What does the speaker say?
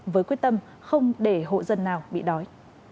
với quyết tâm không để hộ dân nào bị đói